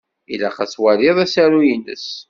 Ilaq ad twaliḍ asaru-ines.